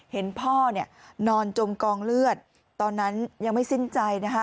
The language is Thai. เห็นพ่อเนี่ยนอนจมกองเลือดตอนนั้นยังไม่สิ้นใจนะคะ